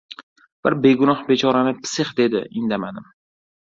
— Bir begunoh bechorani psix, dedi, indamadim.